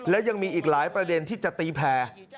และยังมีอีกหลายประเด็นที่จะตีแผ่